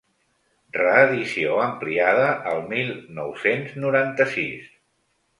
Reedició ampliada el mil nou-cents noranta-sis.